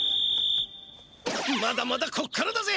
まだまだこっからだぜ！